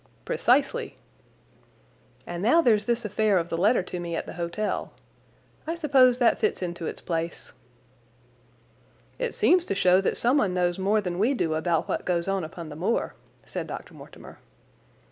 "Precisely." "And now there's this affair of the letter to me at the hotel. I suppose that fits into its place." "It seems to show that someone knows more than we do about what goes on upon the moor," said Dr. Mortimer.